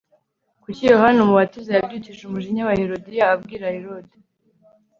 Kuki Yohana Umubatiza yabyukije umujinya wa Herodiya abwira Herode